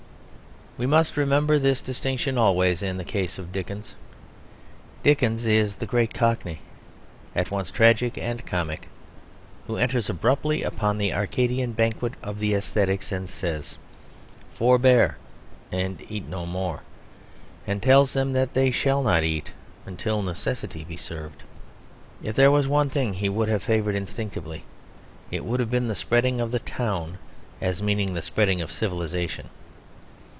We must remember this distinction always in the case of Dickens. Dickens is the great Cockney, at once tragic and comic, who enters abruptly upon the Arcadian banquet of the æsthetics and says, "Forbear and eat no more," and tells them that they shall not eat "until necessity be served." If there was one thing he would have favoured instinctively it would have been the spreading of the town as meaning the spreading of civilisation.